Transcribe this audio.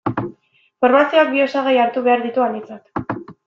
Formazioak bi osagai hartu behar ditu aintzat.